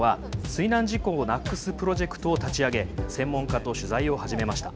水難事故をなくす」プロジェクトを立ち上げ専門家と取材を始めました。